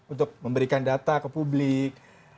untuk memberikan data ke publik